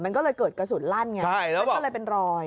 มันก็เลยเกิดกระสุนลั่นไงมันก็เลยเป็นรอย